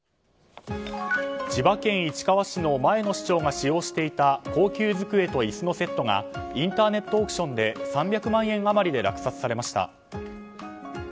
千葉県市川市の前の市長が使用していた高級机と椅子のセットがインターネットオークションで３００万円余りで落札されました。